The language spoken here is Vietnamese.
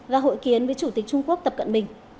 và hội kiến với chủ tịch trung quốc tập cận bình